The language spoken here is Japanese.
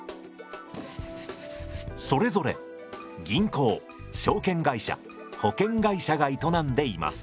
それぞれ銀行証券会社保険会社が営んでいます。